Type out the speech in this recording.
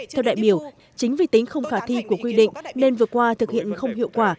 theo đại biểu chính vì tính không khả thi của quy định nên vừa qua thực hiện không hiệu quả